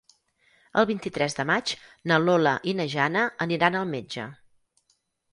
El vint-i-tres de maig na Lola i na Jana aniran al metge.